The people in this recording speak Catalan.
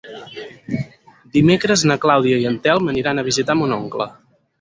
Dimecres na Clàudia i en Telm aniran a visitar mon oncle.